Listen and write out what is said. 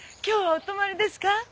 今日はお泊まりですか？